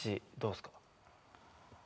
どうですか？